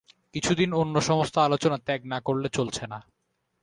কিছুদিন অন্য সমস্ত আলোচনা ত্যাগ না করলে চলছে না।